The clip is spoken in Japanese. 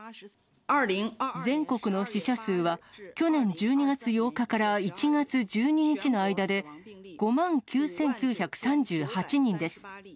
全国の死者数は、去年１２月８日から１月１２日の間で、５万９９３８人です。